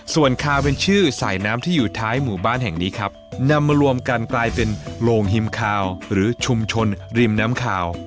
ส่วนคาวเป็นชื่อสายน้ำที่อยู่ท้ายหมู่บ้านแห่งนี้ครับนำมารวมกันกลายเป็นโรงฮิมคาวหรือชุมชนริมน้ำคาว